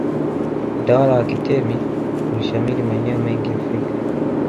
utawala wa kitemi ulishamiri maeneo mengi afrika